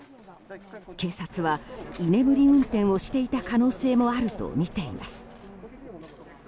警察は居眠り運転をしていた可能性もあるとみています。